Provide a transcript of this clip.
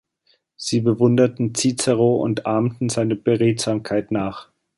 Sie bewunderten Cicero und ahmten seine Beredsamkeit nach.